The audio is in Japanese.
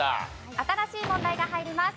新しい問題が入ります。